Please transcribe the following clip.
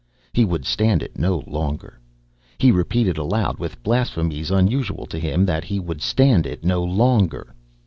He would stand it no longer. He repeated aloud with blasphemies unusual to him that he would stand it no longer.